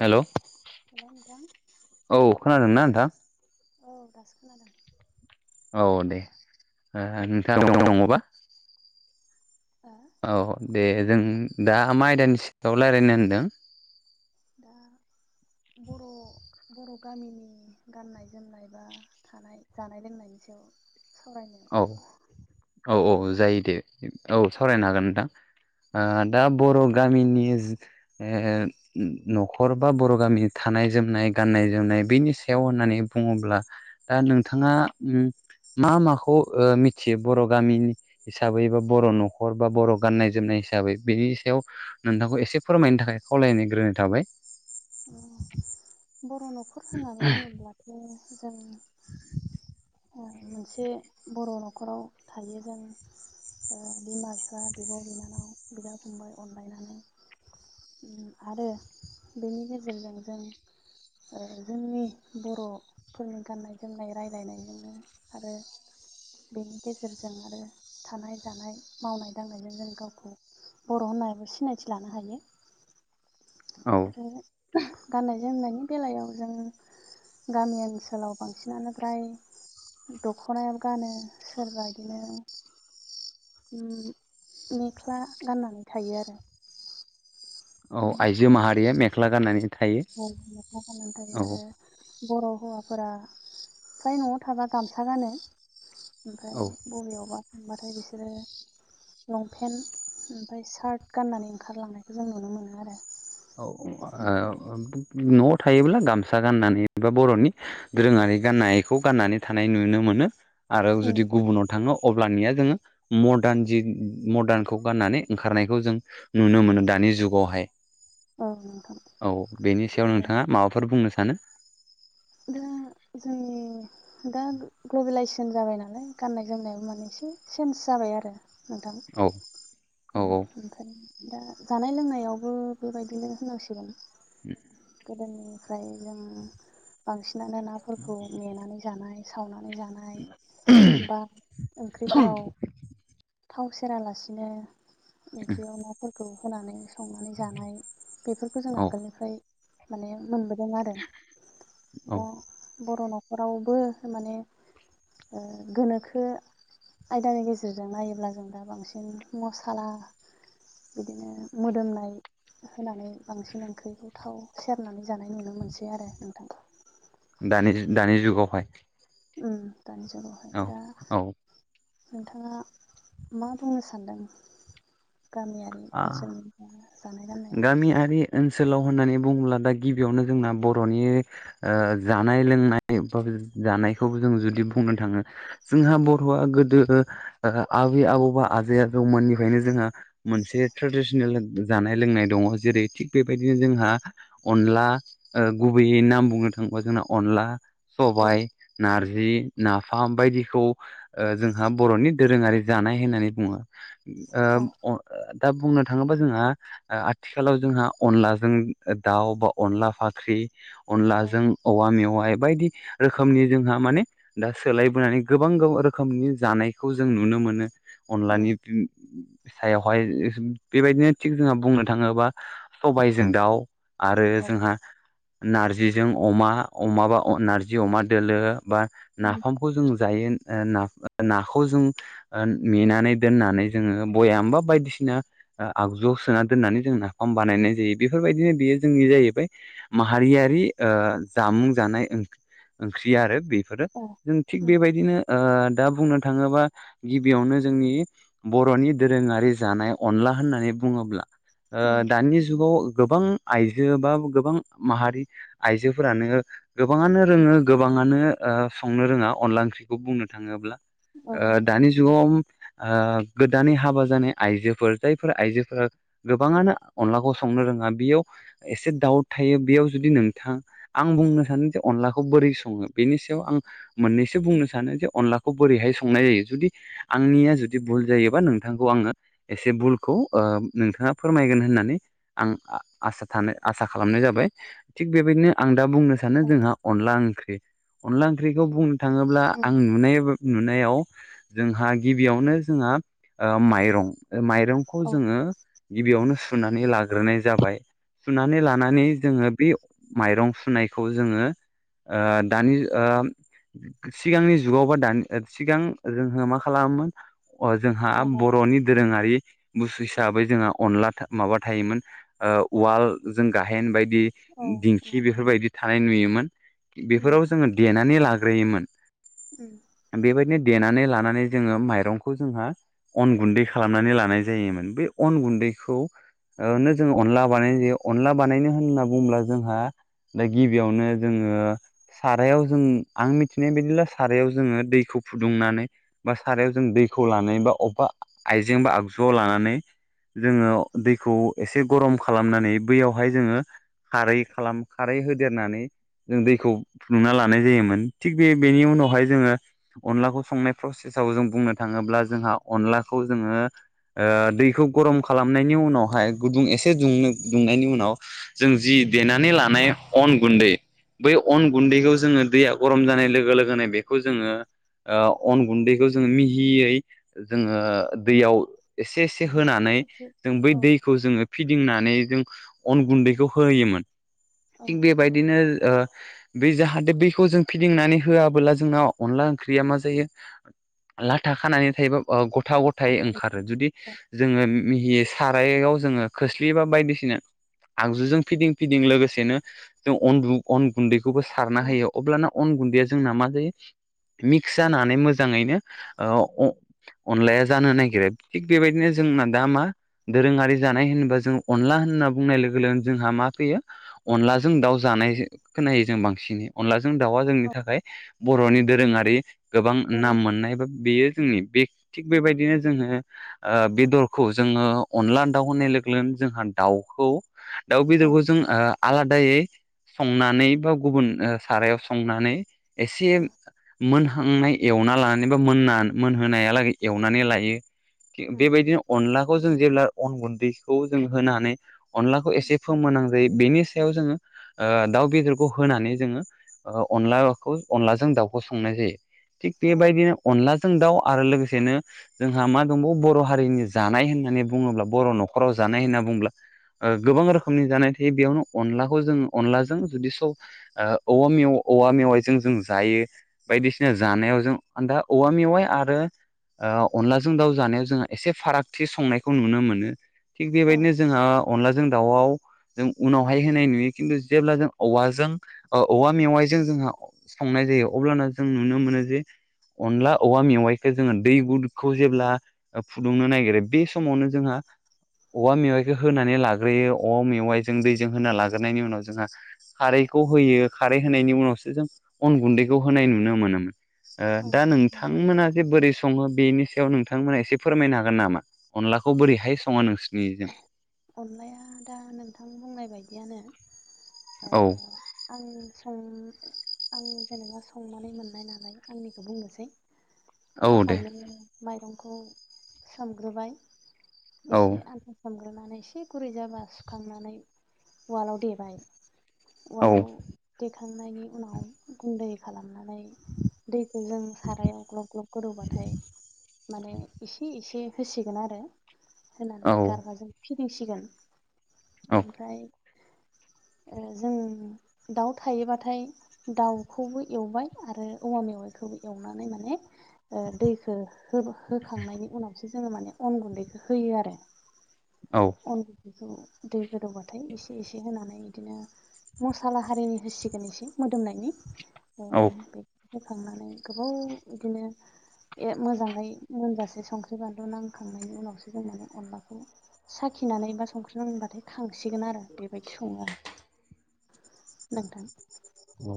Hello hello नोंथां औ खोनादोंना नोंथां? औ दासो खोनादों। औ दे नोंथाङा दा दङबा ओ औ दे जों दा मा आयदानि सायाव रायज्लायनो होनदों। दा बर' बर' गामिनि गाननाय जोमनाय बा थानाय जानाय लोंनायनि बेयाव सावरायनो औ औ औ सावरायनो हागोन जायो दे नोंथां औ सावरायनो हागोन नोंथां। दा बर' गामिनि ए ओ न'खर बा बर' गामिनि थानाय जोमनाय गाननाय जोमनाय बेनि सायाव होननानै बुङोब्ला दा नोंथाङा मा माखौ खौ ओ मिथियो बर' गामिनि हिसाबै बा बर' न'खर बा बर' गाननाय जोमनाय हिसाबै बे सायाव नोंथांखौ एसे फोरमायनो थाखाय खावलायग्रोनाय थाबाय अ बर' न'खर होननानै बुङोब्लाथ' जों ओ मोनसे बर' न'खराव थायो जों ओ बिमा बिफा बिब' बिनानाव बिदा फंबाय अनलायनानै आरो बेनि गेजेरजों जों ओ जोंनि बर'फोरनि गाननाय जोमनाय रायज्लायनाय होनो आरो बेनि गेजेरजों आरो थानाय जानाय मावनाय दांनायजों जों गावखौ बर' होननाबो सिनायथि लानो हायो औ आरो गाननाय जोमनायनि बेलायाव जों गामि ओनसोलाव बांसिनानो फ्राय दख'नायाबो गानो सोरबा बिदिनो मेख्ला गाननानै थायो आरो औ आइजो माहारिया मेख्ला गाननानै थायो औ मेख्ला गाननानै थायो औ आरो बर' हौवाफोरा फ्राय न'आव थाबा गामसा गानो ओमफ्राय औ बबेयावबा थांबाथाय बिसोरो लंपेन्ट ओमफ्राय सार्ट गाननानै ओंखारलांनायखौ जों नुनो मोनो आरो औ ओ न'आव थायोब्ला गामसा गाननानै बा बर'नि दोरोङारि गाननायखौ गाननानै थानाय नुनो मोनो। आरो औ जुदि गुबुनाव थाङो अब्लानिया जोङो मडार्न जि मदार्नखौ गाननानै ओंखारनायखौ जों नुनो मोनो दानि दानि जुगावहाय नोंथां औ बेनि सायाव आरो नोंथाङा माबाफोर बुंनो सानो? दा जोंनि दा ग्लबेलाइजेसन जाबाय नालाय गाननाय जोमनायाव माने एसे चेन्ज जा जाबाय आरो नोंथां औ औ ओंमफ्राय दा जानाय लोंनायावबो बेबायदिनो होनांसिगोन। [inaudible] गोदोनिफ्राय जों बांसिनानो नाफोरखौ मेनानै जानाय सावनानै जानाय जानाय बा ओंख्रिफोराव थाव सेरालासिनो ओंख्रियाव नाफोरखौ होनानै संनानै जानाय बेफोरखौ जों औ आगोलनिफ्राय माने मोनबोदों। आरो द औ बर' न'खरावबो माने ओ गोनोखो आयदानि गेजेरजों नायोब्ला जों दा बांसिन मस्ला खाला बिदिनो मोदोमनाय होनानै बांसिन ओंख्रिखौ थाव सेरनानै जानाय नुनो मोनसै आरो नोंथांखौ दानि दानि जुगावहाय। उम दानि जुगावहाय औ दा औ नोंथाङा मा बुंनो सानदों? गामियारि आ ओनसोलनि जानाय लोंनायाव गामियारि ओनसोलाव होननानै बुङोब्ला दा गिबियावनो जोंना बर'नि जानाय ओ लोंनाय जों बुंनो थाङो जोंहा बर'आ गोदो आबै आबौबा आ जौमोननिफ्रायनो जोंहा मोनसे थ्रेडिसनेल जानाय जानाय लोंनाय दङ जेरै थिग बेबायदिनो जोंहा अनला गुबैयै नाम बुंनो थाङोबा जों अनला, औ सबाय, नारजी जि नाफाम बायदिखौ जोंहा बर'नि दोरोङारि जानाय होननानै बुङो। औ ओ दा बुंनो थाङोबा जोंहा आथिखालाव जोंहा अनलाजों दाउ बा अनला फाख्रि औ अनलाजों औवा गामियावहाय बायदि रोखोमनि जोंहा माने दा सोलायबोनानै गोबां रोखोमनि जानायखौ जों नुनो मोनो उम अनलानि सायावहाय बेबायदिनो थिग बुंनो थाङोबा सबायजों दाउ आरो औ जोंहा नार्जिजों अमा अमाबा नारजि अमा दोलो बा उम नाफामखौ जों जायो। नाखौ जों मेनानै दोननानै जोङो बयामबा बायदिसिना आगजु सोना दोनानै जों नाफाम बानायनाय जायो बेफोरबायदिनो बेयो जोंनि जाहैबाय माहारियारि जामुं जानाय ओंख्रि आरो बेफोरो औ जों थिग उम बेबायदिनो ओ दा बुंनो थाङोबा गिबियावनो जोंनि बर'नि दोरोङारि जानाय अनला होननानै बुङोब्ला उम ओ दानि जुगाव गोबां आइजो बा गोबां माहारि आइजोफोरानो गोबाङानो रोङो गोबां गोबां आनो संनो रोङा अनला ओंख्रिखौ बुंनो थाङोब्ला। औ नंगौ दानि नोंथां जुगाव आ गोदानै हाबा जानाय आइजोफोर जायफोर आइजोफोरा गोबाङानो अनलाखौ संनो रोङा बेयाव एसे दाउट थायो बेयाव जुदि नोंथां आं बुं बुंनो सानो जे अलाखौ बोरै सङो बेनि सायाव आं मोननैसो बुंनो सानो जे अनलाखौ बोरैहाय संनाय जायो आंनिया जुदि भुल जायोबा नोंथांखौ आङो एसे भुलखौ नोंथाङा फोरमायगोन होननानै आं आसा थानो आसा खालामनाय जाबाय। थिग बेबायदिनो आं दा बुंनो सानो औ जोंहा अनला ओंख्रि अनला ओंख्रिखौ बुंनो थाङोब्ला उम आं नुनाय नुनायाव जोंहा गिबियावनो जोंहा ओ माइरं माइरंखौ औ जोङो गिबियावनो सुनानै लाग्रोनाय जाबाय। सुनानै लानानै जोङो बे माइरं सुनायखौ जोङो ओ दानि ओ सिगांनि जुगाव बा दानि सिगां जोंहो मा खालामो मोन अह जोंहा उवालाव बर'नि दोरोङारि बुस्थु उम हिसाबै जोंहा था माबा थायोमोन ओ उवाल जों गाहेन‌ बाय ब्ला औ बिदि दिंखि उवाल गाहेन बेफोरबायदि थानाय नुयोमोन। उम बेफोराव जोङो देनानै लाग्रोयोमोन उम बेबायदिनो देनानै लानानै जोङो माइरंखौ जोंहा अन गुन्दै खालामनानै लानाय जायोमोन बे अन गुन्दै खौ ओ औ नो जों अनला बानायनाय जायो अनला बानायनो होनना बुङोब्ला जोंहा दा गिबियावनो जोङो सारायाव जों आं मिथिनाय बादिब्ला सारायाव जोङो दैखौ फुदुंनानै बा सारायाव जों दैखौ औ लानानै बा अबेबा आइजें बा आगजुआव लानानै जोङो उम दैखौ एसे गरम खालामनानै बैयावहाय जोङो खारै खालाम खारै होदेरनानै जों दैखौ फुदुंना लानाय जायोमोन थिग बे बेनि उनावहाय जोङो अनलाखौ संनाय प्रसेस साव जों बुंनो थाङोब्ला जोंहा अनलाखौ जोङो ओ दैखौ गरम खालामनायनि उनावहाय गुदुं एसे दुंनो दुंनायनि उनाव जों जि उम देनानै लानाय अन गुन्दै बै अन औ गुन्दैखौ जोङो दैया गरम जानाय लोगो लोगोनो बेखौ जोङो ओ अन गुन्दैखौ जोङो मिहियै जोङो दैयाव एसे एसे एसे होनानै एसे जों बै औ दैखौ जोङो फिदिंनानै जों अन गुन्दैखौ होयोमोन। औ थिग नोंथां बेबादिनो ओ बे जाहाथे बेखौ जों फिदिंनानै होआबोला जोंनाव अनला ओंख्रिया मा जायो लाथा खानानै थायोबा ओ गथा गथायै औ ओंखारो जुदि मिहि सारायाव जोङो खोस्लि बा बायदिसिना आगजुजों फिदिं फिदिं लोगोसेनो जों अनदु अन गुन्दैखौबो सारना होयो अब्लाना अन गुन्दैया जोंना मा जायो मिक्स जानानै मोजाङैनो ओ अ अनलाया जानो नागिरो थिग बेबायदिनो जोंना दा मा दोरोङारि जानाय होनोबा जों अनला होनना बुंनाय लोगो लोगोनो जोंहा मा फैयो अनलाजों दाउ जानाय खोनायो जों बांसिनै अनला जों दाउआ जोंनि औ थाखाय बर'नि दोरोङारि गोबां नाम दोरोङारि मोननाय बा बियो जोंनि बे थिग बेबायदिनो जोङो ओ बे दरखौ जोङो अनला दाउ होननाय लोगो लोगोनो जोंहा दाउखौ दाउ औ बेदरखौ जों ओ आलादायै संनानै बा गुबुन ओ सारायाव संनानै एसे औ मोन हांनाय एवना लानानै बा मोनना मोनहोनायालागै एवनानै लायो उम बेबायदिनो अनलाखौ जों जेब्ला अन गुनदैखौ जों होनानै अनलाखौ एसे फोमोनना नै बेनि सायाव जोङो ओ दाउ बेदरखौ होनानै जोङो ओ अनलाखौ अनलाजों दाउखौ संनाय जायो। थिग औ बेबायदिनो अनलाजों दाउ आरो लोगोसेनो जोंहा मा दंबावो बर' हारिनि जानाय होननानै बुङोब्ला बर' न'खराव जानाय होनना बुंब्ला ओ गोबां रोखोमनि जानाय थायो बेयावनो अनलाखौ जोङो अनलाजों जुदि सब ओ औवा मेव औवा मेवाइजों जों जायो बायदिसिना जानायाव जों दा औवा मेवाइ आरो ओ अनलाजों दाउ जानाया जों एसे फाराग थि संनायखौ नुनो मोनो थिग औ बेबायदिनो जोंहा अनलाजों दाउआव जों उनावहाय होनाय नुयो खिन्थु जेब्ला जों औवाजों ओ औवा मेवाइजों जोंहा संनाय जायो अब्लाना जों नुनो मोनो जे अनला औवा मेवाइखो जोङो दै गुदखौ जेब्ला ओ फुदुंनो नागिरो बे समावनो जोंहा औवा मेवाइखो होनानै लाग्रोयो औवा मेवाइजों दैजों होना लाग्रोनायनि उनाव जोंहा खारै खौ होयो खारै होनायनि उनावसो जों अन गुन्दैखौ होनाय नुनो मोनोमोन। ओ औ दा नंगौ नोंथांमोना जे बोरै सङो बेनि सायाव नोंथांमोना एसे फोरमायनो हागोन नामा? अनलाखौ बोरैहाय सङा नोंसनिजों? अनलाया दा नोंथां बुंनाय बायदियानो ओ औ आं सं आंनि जेनेबा संनानै मोननाय नालाय आंनिखौ बुंनोसै औ दे फार्स्टआवनो माइरंखौ सोमग्रोबाय औ एसे आनथा सोमग्रोनानै एसे गुरै जाबा सुखांनानै उवालाव देबाय औ उवालाव देखां नायनि उनाव गुन्दै खालाम नानै दैखौ जों सारायाव ग्लब ग्लब गोदौबाथाय माने एसे एसे होसिगोन आरो होनानै औ गारबाजों फिदिंसिगोन ओमफ्राय ओ जों दाउ थायोबाथाय दाउखौबो एवबाय आरो औवा मेवाइ खौ एवनानै माने ओ दैखौ हो-होखांनायनि उनावसो जोङो माने अन गुन्दैखौ होयो आरो। औ अन गुन्दैखौ दै गोदौबाथाय एसे एसे होनानै बिदिनो मसालाहारिनि होसिगोन एसे मोदोमनायनि औ [inaudible] होखांनानै गोबाव बिदिनो ए मोजाङै मोनजासे संख्रि बानलु नांखांनायनि उनावसो जों माने अनलाखौ साखिनानै बा संख्रिनांबाथाय खांसिगोन आरो बेबायदि सङो आं। नोंथां औ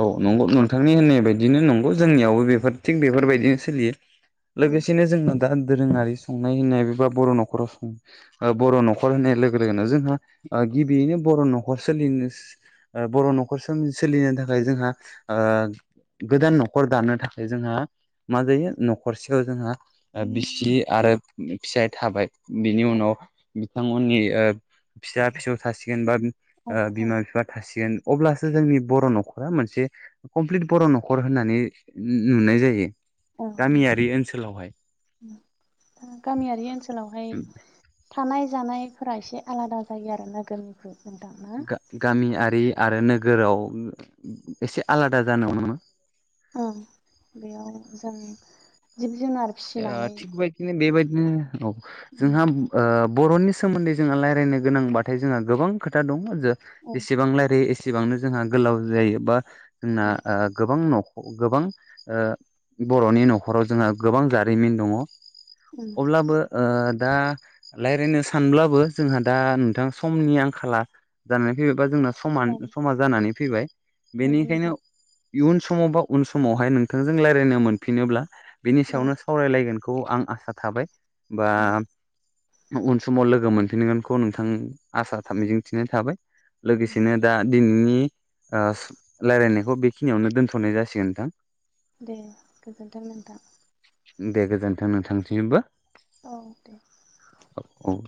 औ नंगौ नोंथांनि होननाय बायदिनो नंगौ जोंनियावबो बेफोर थिग बेफोरबायदिनो सोलियो लोगोसेनो जोंना दा दोरोङारि संनाय होननायबा बर' न'खराव बर' न'खर होननाय लोगो लोगोनो जोंहा ओ गिबियैनो बर' न'खर सोलिनो ओ बर' न'खर सोलिनो थाख थाखाय जोंहा ओ गोदान न'खर दानो थाखाय जोंहा मा जायो न'खरसेयाव जोंहा बिसि आरो फिसाय थाबाय बिनि औ उनाव बिथांमोननि ओ फिसा फिसौ थासिगोन बा औ औ बिमा बिफा थासिगोन अब्लासो जोंनि बर' न'खर मोनसे कमप्लिट बर' न'खर होननानै नुनाय जायो। औ नंगौ गामियारि ओनसोलावहाय गामियारि ओनसोलावहाय थानाय जानायफोरा एसे आलादा जायो आरो नोगोरनिफ्राय गामियारि आरो नोगोराव एसे आलादा जानो हमो। औ बेयाव जों जिब जुनार ओ फिसिनानै थिग बेदिनो बेबायदिनो औ जोंहा ओ बर'नि सोमोन्दै जोंहा रायलायनो गोनांबाथाय जोंहा गोबां खोथा दङ ज औ जेसेबां रायजलायो एसेबां एसेबांनो जोंहा गोलाव जायो बा जोंना औ ओ गोबां न' गोबां ओ बर'नि न'खराव जोंहा गोबां जारिमिन दङ। अब्लाबो ओ दा रायज्लायनो सानब्लाबो जोंहा दा नोंथां समनि आंखाला जानानै फैयोबा जोंना समान औ समान जानानै फैबाय नंगौ बेनिखायनो नोंथां इयुन समाव बा उन समावहाय नोंथांजों रायज्लायनो मोनफिनोब्ला बिनि सायावनो सावरायलायगोन। बे खौ आं आसा थाबाय बा उन समाव लोगो मोनफिनगोनखौ नोंथां। आसा मिजिं थिनाय थाबाय औ लोगोसेनो दा दिनैनि रायलायनायखौ बेखिनियावनो दोनथ'नाय जासिगोन नोंथां। दे गोजोनथों नोंथां। दे गोजोन्थों नोंथांनिसिमबो औ दे। औ